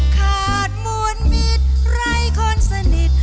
ขาดมวลมิตรไร้คนสนิท